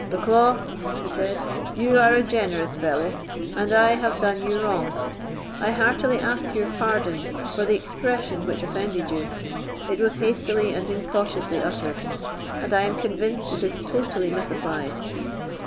"Bucklaw," he said, "you are a generous fellow, and I have done you wrong. I heartily ask your pardon for the expression which offended you; it was hastily and incautiously uttered, and I am convinced it is totally misapplied."